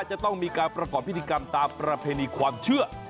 จะต้องมีการประกอบพิธีกรรมตามประเพณีความเชื่อ